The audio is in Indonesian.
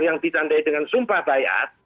yang ditandai dengan sumpah bayat